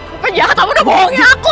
kau kan jahat kamu udah bohongin aku